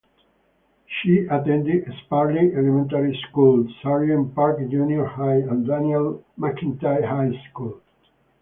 She attended Sparling Elementary School, Sargeant Park Junior High, and Daniel McIntyre High School.